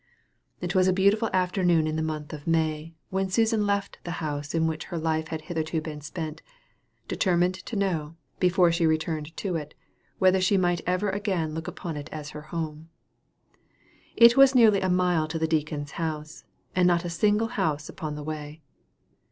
It was a beautiful afternoon in the month of May, when Susan left the house in which her life had hitherto been spent, determined to know, before she returned to it, whether she might ever again look upon it as her home. It was nearly a mile to the deacon's house, and not a single house upon the way.